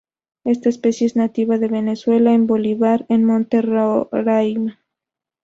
Esta especie es nativa de Venezuela en Bolívar en Monte Roraima.